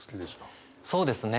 そうですね